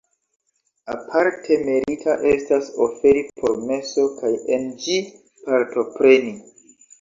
Aparte merita estas oferi por meso kaj en ĝi partopreni.